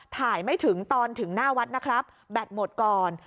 ไม่ถึงตอนถึงหน้าวัดนะครับแบตหมดก่อน